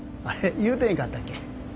言うてへんかったっけ？